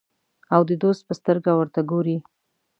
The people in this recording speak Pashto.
او د دوست په سترګه ورته ګوري.